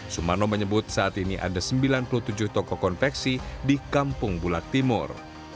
sumarno menyebut saat ini ada sembilan puluh tujuh toko konveksi di kampung bulak timur